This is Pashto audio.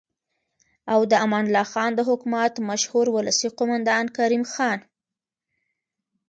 او د امان الله خان د حکومت مشهور ولسي قوماندان کریم خان